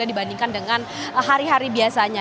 dibandingkan dengan hari hari biasanya